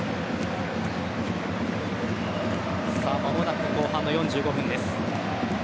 間もなく後半の４５分です。